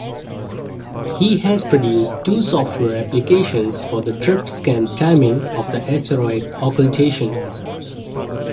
He has produced two software applications for the drift-scan timing of asteroid occultation.